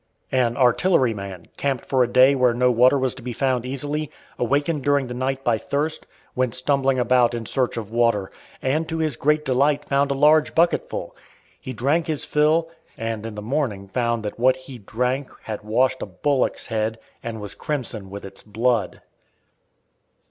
An artilleryman, camped for a day where no water was to be found easily, awakened during the night by thirst, went stumbling about in search of water; and to his great delight found a large bucketful. He drank his fill, and in the morning found that what he drank had washed a bullock's head, and was crimson with its blood.